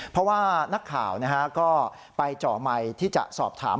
เพราะว่านักข่าวก็ไปเจาะไมค์ที่จะสอบถาม